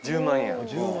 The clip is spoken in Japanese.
１０万円。